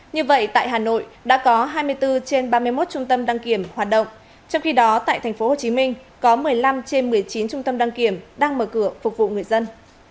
như vậy tại hà nội đã có hai mươi bốn trên ba mươi một trung tâm đăng kiểm hoạt động trong khi đó tại tp hcm có một mươi năm trên một mươi chín trung tâm đăng kiểm đang mở cửa phục vụ người dân